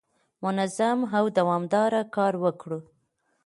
منظم او دوامداره کار وکړئ.